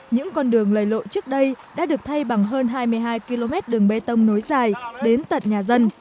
những con đường lầy lộ trước đây đã được thay bằng hơn hai mươi hai kỳ tích